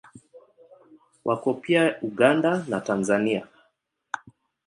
Wako pia Uganda na Tanzania.